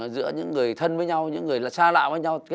giữa những người thân với nhau những người là xa lạ với nhau